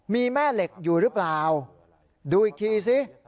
มีแม่เหล็กอยู่หรือเปล่าดูอีกทีสิ